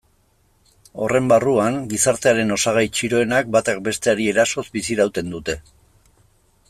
Horren barruan, gizartearen osagai txiroenek batak besteari erasoz bizirauten dute.